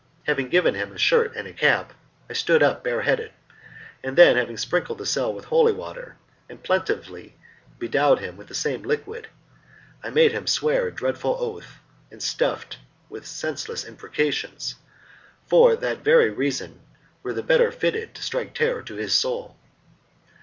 Having given him a shirt and a cap, I stood up bare headed, and then having sprinkled the cell with holy water, and plentifully bedewed him with the same liquid, I made him swear a dreadful oath, stuffed with senseless imprecations, which for that very reason were the better fitted to strike terror to his soul.